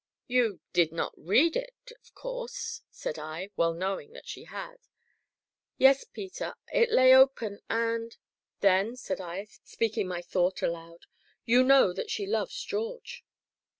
"You did not read it of course?" said I, well knowing that she had. "Yes, Peter it lay open, and " "Then," said I, speaking my thought aloud, "you know that she loves George."